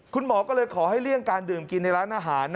คุณหมอก็เลยขอให้เลี่ยงการดื่มกินในร้านอาหาร